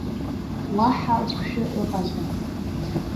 Уаҳа хәшәы ыҟаӡам.